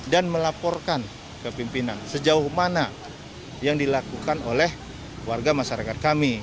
dan melaporkan ke pimpinan sejauh mana yang dilakukan oleh warga masyarakat kami